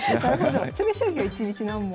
詰将棋は１日何問。